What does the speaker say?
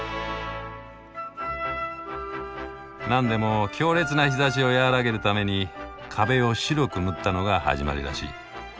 なんでも強烈な日ざしを和らげるために壁を白く塗ったのが始まりらしい。